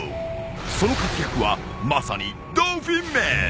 その活躍はまさにドルフィンマン！